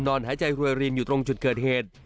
นอนหาใจห่วยรีมอยู่ตรงจุดเกิดเหตุ